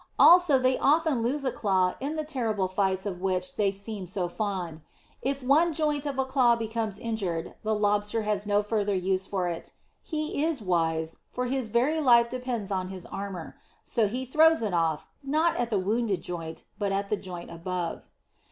Also they often lose a claw in the terrible fights of which they seem so fond. If one joint of a claw becomes injured the Lobster has no further use for it; he is wise, for his very life depends on his armour. So he throws it away, not at the wounded joint, but at the joint above.